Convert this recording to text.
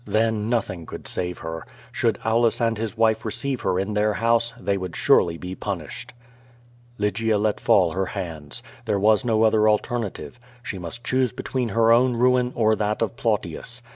Then nothing could save her. Should Aulus and his wife receive her in their house, they would surely be punished. Lygia let fall her hands. There was no other alternative. She must choose between her own ruin or that of Plautius.